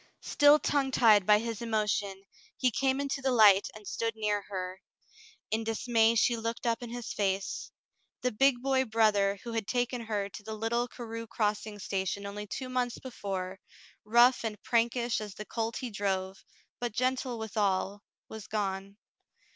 '* Still tongue tied by his emotion, he came into the light and stood near her. In dismay she looked up in his face. The big boy brother who had taken her to the little Carew Crossing station only two months before, rough and prankish as the colt he drove, but gentle withal, was gone.